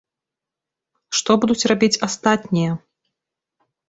Што будуць рабіць астатнія?